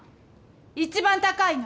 一番高いの。